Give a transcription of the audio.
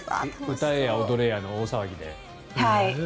歌えや踊れやの大騒ぎで。